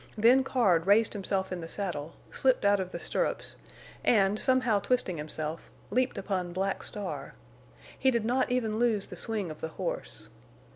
Then Card raised himself in the saddle, slipped out of the stirrups, and, somehow twisting himself, leaped upon Black Star. He did not even lose the swing of the horse.